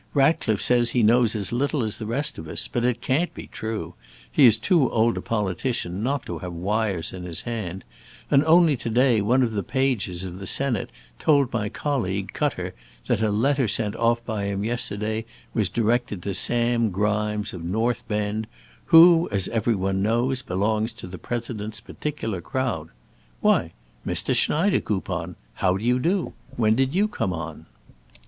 Ratcliffe says he knows as little as the rest of us, but it can't be true; he is too old a politician not to have wires in his hand; and only to day one of the pages of the Senate told my colleague Cutter that a letter sent off by him yesterday was directed to Sam Grimes, of North Bend, who, as every one knows, belongs to the President's particular crowd. Why, Mr. Schneidekoupon! How do you do? When did you come on?"